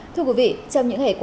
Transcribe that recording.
thưa quý vị trong những ngày qua